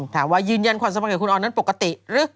ถามว่ายืนยันขวัญสมัครของคุณออนนั้นปกติ